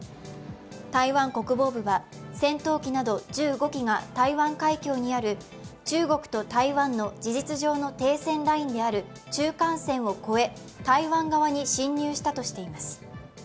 台湾国防部は戦闘機など１５機が台湾海峡にある中国と台湾の事実上の停戦ラインである中間線を越え、台湾側に進入したとしています。